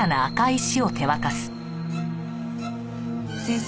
先生